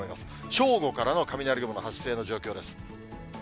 正午からの雷雲の発生の状況です。